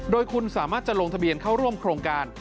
โดยคุณสามารถจะลงทะเบียนเข้าร่วมโครงการ